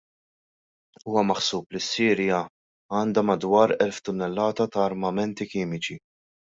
Huwa maħsub li s-Sirja għandha madwar elf tunnellata ta' armamenti kimiċi.